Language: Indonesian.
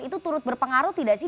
itu turut berpengaruh tidak sih